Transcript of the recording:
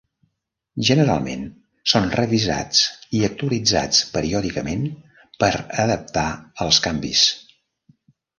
Generalment són revisats i actualitzats periòdicament per adaptar als canvis.